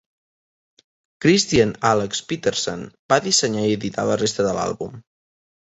Christian Alex Petersen va dissenyar i editar la resta de l'àlbum.